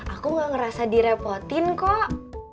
aku gak ngerasa direpotin kok